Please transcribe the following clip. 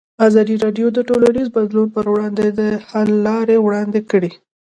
ازادي راډیو د ټولنیز بدلون پر وړاندې د حل لارې وړاندې کړي.